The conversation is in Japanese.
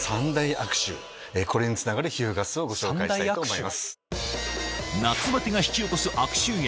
これにつながる皮膚ガスをご紹介したいと思います。